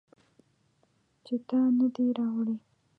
چې تا نه دي راوړي